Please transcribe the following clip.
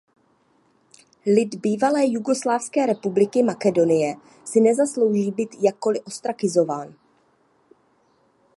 Lid Bývalé jugoslávské republiky Makedonie si nezaslouží být jakkoli ostrakizován.